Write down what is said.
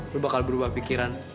lu bakal berubah pikiran